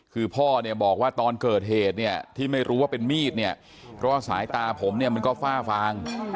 คือพ่อบอกว่าตอนเกิดเหตุที่ไม่รู้ว่าเป็นมีดเพราะตอนสายตาผมมันก็ฟ้าฟาง